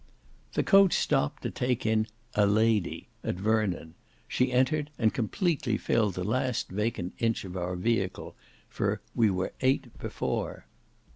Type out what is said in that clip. The coach stopped to take in "a lady" at Vernon; she entered, and completely filled the last vacant inch of our vehicle; for "we were eight" before.